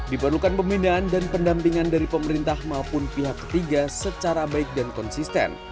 diperlukan pembinaan dan pendampingan dari pemerintah maupun pihak ketiga secara baik dan konsisten